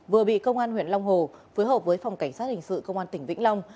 vừa bị công an huyện long hồ phối hợp với phòng cảnh sát hình sự công an tỉnh vĩnh long